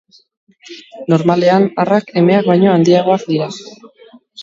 Normalean arrak emeak baino handiagoak dira.